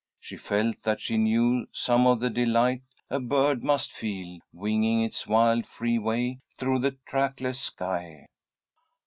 She felt that she knew some of the delight a bird must feel winging its wild, free way through the trackless sky.